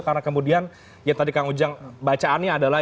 karena kemudian yang tadi kang ujang bacaannya adalah